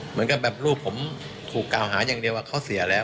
เหมือนกับแบบลูกผมถูกกล่าวหาอย่างเดียวว่าเขาเสียแล้ว